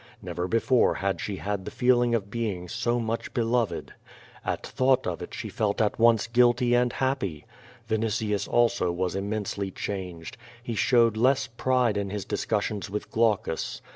Never before had she had the feeling of being so much beloved. At thought of it she felt at once guilty and happy. Vinitius also was immensely changed. He showed less pride in his discussions with Glau cus.